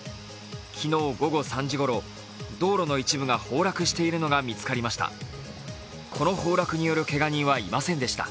昨日午後３時ごろ、道路の一部が崩落しているのが見つかりました。